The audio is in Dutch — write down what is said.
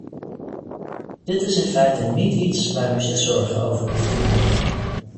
Dit is in feite niet iets waar u zich zorgen over hoeft te maken.